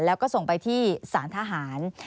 แล้วก็ส่งไปที่สารทหาร